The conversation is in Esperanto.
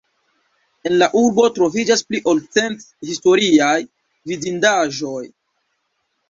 En la urbo troviĝas pli ol cent historiaj vidindaĵoj.